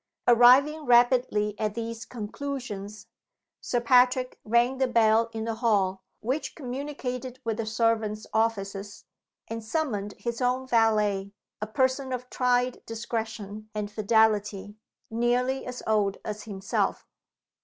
Arriving rapidly at these conclusions, Sir Patrick rang the bell in the hall which communicated with the servants' offices, and summoned his own valet a person of tried discretion and fidelity, nearly as old as himself.